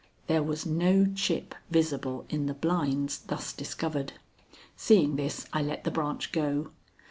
There was no chip visible in the blinds thus discovered. Seeing this, I let the branch go.